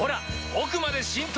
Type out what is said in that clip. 奥まで浸透！